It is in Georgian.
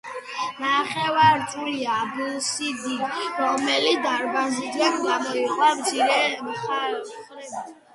დარბაზული ეკლესია გეგმით არაწესიერი სწორკუთხედია, აღმოსავლეთით ნახევარწრიული აბსიდით, რომელიც დარბაზისაგან გამოიყოფა მცირე მხრებით.